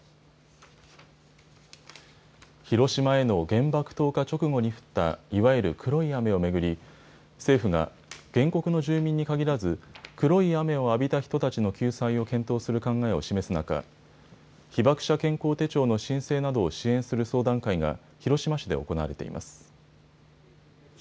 広島への原爆投下直後に降った、いわゆる黒い雨を巡り、政府が原告の住民に限らず、黒い雨を浴びた人たちの救済を検討する考えを示す中、被爆者健康手帳の申請などを支援する相談会が、広島市で行われています。